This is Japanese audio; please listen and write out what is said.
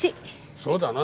そうだな。